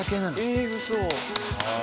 ええウソ！